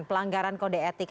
pelanggaran kode etik